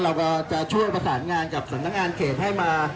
เราก็จะช่วยประสานงานกับสำนักงานเขตให้มา